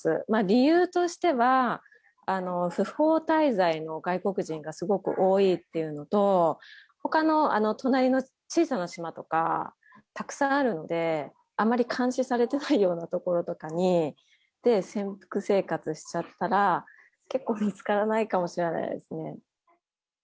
理由としては、不法滞在の外国人がすごく多いっていうのと、ほかの隣の小さな島とかたくさんあるので、あんまり監視されてないような所とかで、潜伏生活しちゃったら、結構、見つからないかもしれないですね。